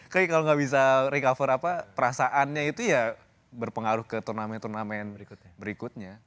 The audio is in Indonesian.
kayaknya kalau nggak bisa recover apa perasaannya itu ya berpengaruh ke turnamen turnamen berikutnya